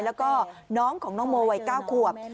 แล้วก็น้องของน้องโมวัย๙ขวบ